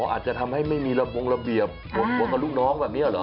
อาจจะทำให้ไม่มีระบงระเบียบหัวกับลูกน้องแบบนี้เหรอ